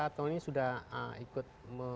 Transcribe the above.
atau ini sudah ikut